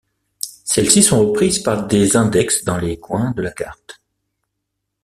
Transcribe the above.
Celles-ci sont reprises par des index dans les coins de la carte.